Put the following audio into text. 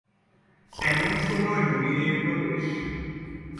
এমন সময় নবীনের প্রবেশ।